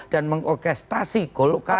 dan mengorkestrasi golkar